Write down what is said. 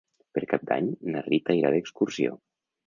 Per Cap d'Any na Rita irà d'excursió.